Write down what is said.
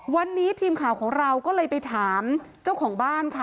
วันนี้ทีมข่าวของเราก็เลยไปถามเจ้าของบ้านค่ะ